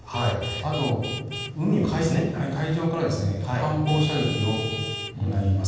あと、海上から艦砲射撃を行います。